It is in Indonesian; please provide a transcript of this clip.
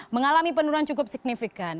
mengalami penurunan cukup signifikan